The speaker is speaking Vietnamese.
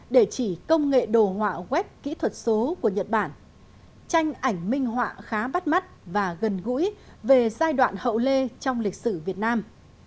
địa chỉ công nghệ đồ họa web kỹ thuật số của nhật bản tranh ảnh minh họa khá bắt mắt và gần gũi về giai đoạn hậu lê trong lịch sử việt nam